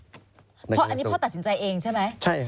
เพราะอันนี้พ่อตัดสินใจเองใช่ไหม